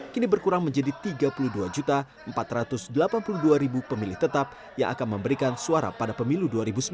kini berkurang menjadi tiga puluh dua empat ratus delapan puluh dua pemilih tetap yang akan memberikan suara pada pemilu dua ribu sembilan belas